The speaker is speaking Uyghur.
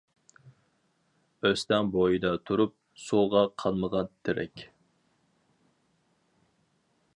ئۆستەڭ بويىدا تۇرۇپ، سۇغا قانمىغان تىرەك.